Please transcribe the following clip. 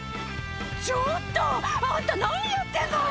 「ちょっと！あんた何やってんの！」